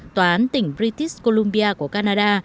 tòa án tỉnh british columbia của canada